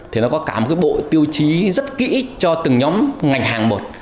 thì nó có cả một cái bộ tiêu chí rất kỹ cho từng nhóm ngành hàng một